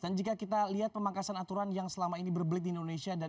dan jika kita lihat pemangkasan aturan yang selama ini berbelit di indonesia